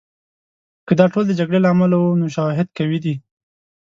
که دا ټول د جګړې له امله وو، نو شواهد قوي دي.